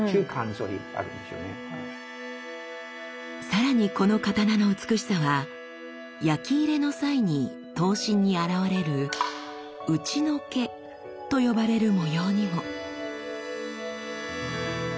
さらにこの刀の美しさは焼き入れの際に刀身に現れる打除けと呼ばれる模様にも。